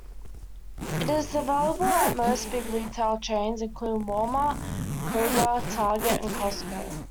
It is available at most big retail chains including Walmart, Kroger, Target, and Costco.